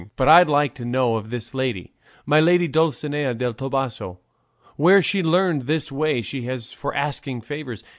But I'd like to know of this lady, my lady Dulcinea del Toboso, where she learned this way she has of asking favours.